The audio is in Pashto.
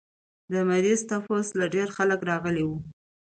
د مريض تپوس له ډېر خلق راغلي وو